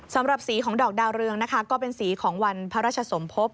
สำหรับสีของดอกดาวเรืองนะคะก็เป็นสีของวันพระราชสมภพ